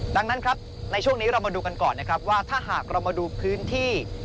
ดังนั้นครับในช่วงนี้เรามาดูกันก่อนนะครับว่าถ้าหากเรามาดูพื้นที่